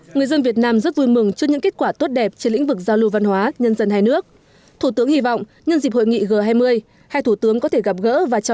người dân việt nam rất vui mừng trước những kết quả tốt đẹp trên lĩnh vực giao lưu văn hóa nhân dân hai nước